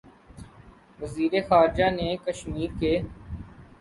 وزیر خارجہ نے کشمیر کے